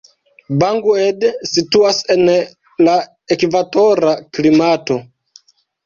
Bangued situas en la ekvatora klimato.